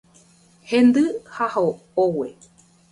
Hendy ha ogue